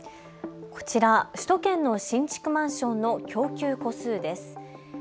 こちら、首都圏の新築マンションの供給戸数です。